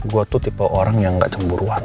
gue tuh tipe orang yang gak cemburuan